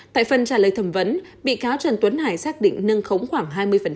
tại phần trả lời thẩm vấn bị cáo trần tuấn hải xác định nâng khống khoảng hai mươi